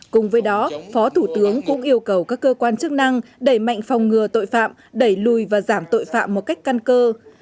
cùng với đó phó thủ tướng cũng yêu cầu các cơ quan chức năng đẩy mạnh phòng ngừa tội phạm đẩy lùi và giảm tội phạm một cách căn cơ